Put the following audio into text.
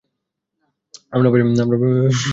আমরা প্রায় এসে গেছি।